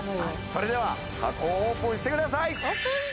それでは箱をオープンしてくださいオープン！